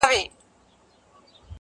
تا خو د کونړ د یکه زار کیسې لیکلي دي٫